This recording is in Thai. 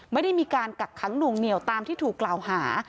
ไม่ได้มีการกักขังหน่วงเหนียวตามที่ถูกกล่าวหา